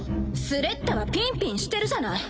スレッタはピンピンしてるじゃない。